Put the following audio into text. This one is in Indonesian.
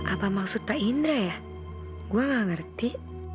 apa maksudnya pak indra ya gue gak ngerti